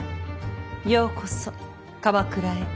ようこそ鎌倉へ。